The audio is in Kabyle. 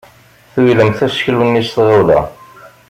Tulyemt aseklu-nni s tɣawla.